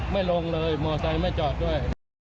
ไม่ลงเลยมอไซค์ไม่จอดด้วย